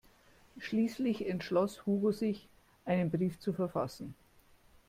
Schließlich entschloss Hugo sich, einen Brief zu verfassen.